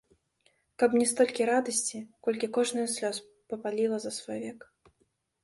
Каб мне столькі радасці, колькі кожная слёз папаліла за свой век.